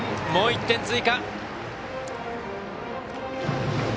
もう１点追加。